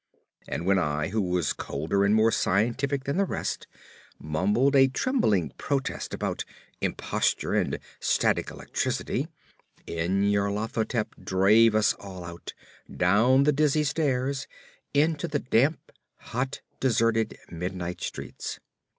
And when I, who was colder and more scientific than the rest, mumbled a trembling protest about "imposture" and "static electricity," Nyarlathotep drove us all out, down the dizzy stairs into the damp, hot, deserted midnight streets.